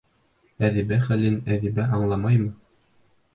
Әҙибә хәлен әҙибә аңламаймы?